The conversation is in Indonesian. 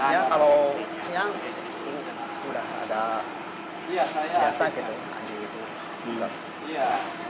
ya kalau siang udah ada biasa gitu anjing itu